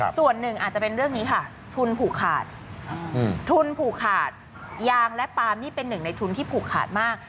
ส่วนหนึ่งอาจจะเป็นเรื่องนี้ค่ะทุนผูกขาดทุนผูกขาดยางและปามนี่เป็นหนึ่งในทุนที่ผูกขาดมาก